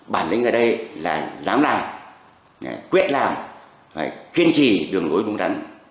bản lĩnh ở đây là dám làm quyết làm kiên trì đường lối đúng đắn